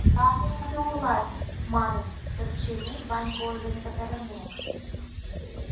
— Ораде улат! — манын Ӧрчемей, Ванька ойлен пытарымек.